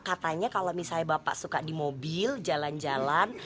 katanya kalau misalnya bapak suka di mobil jalan jalan